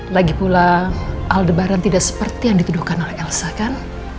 lagi pula al debaran tidak seperti yang dituduhkan oleh elsa kan